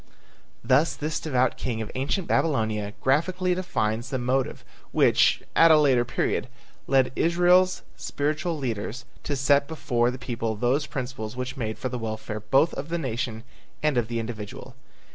'" Thus this devout king of ancient Babylonia graphically defines the motive which, at a later period, led Israel's spiritual leaders to set before the people those principles which made for the welfare both of the nation and of the individual.